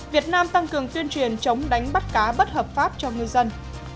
việt nam tăng cường tuyên truyền chống đánh bắt cá bất hợp pháp cho ngư dân